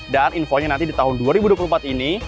dan infonya nanti di tahun dua ribu dua puluh empat ini